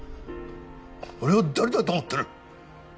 俺を誰だと思ってる！